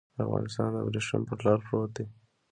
افغانستان د ابريښم پر لار پروت دی.